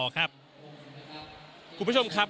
คุณผู้ชมครับ